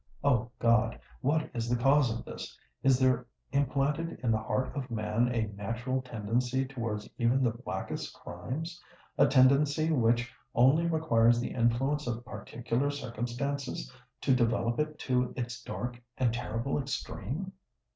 O God! what is the cause of this? Is there implanted in the heart of man a natural tendency towards even the blackest crimes—a tendency which only requires the influence of particular circumstances to develop it to its dark and terrible extreme?